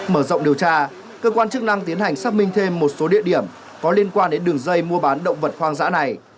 mở rộng điều tra cơ quan chức năng tiến hành xác minh thêm một số địa điểm có liên quan đến đường dây mua bán động vật hoang dã này